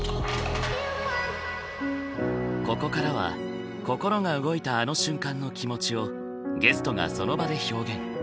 ここからは心が動いたあの瞬間の気持ちをゲストがその場で表現。